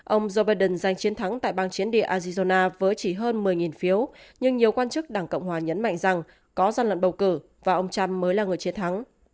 ông joe biden giành chiến thắng tại bang chiến địa azizona với chỉ hơn một mươi phiếu nhưng nhiều quan chức đảng cộng hòa nhấn mạnh rằng có gian lận bầu cử và ông trump mới là người chiến thắng